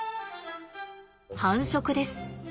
繁殖です。